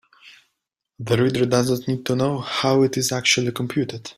The reader does not need to know how it is actually computed.